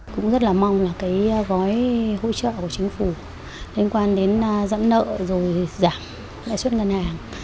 cũng rất là mong là cái gói hỗ trợ của chính phủ liên quan đến dẫn nợ rồi giảm lãi suất ngân hàng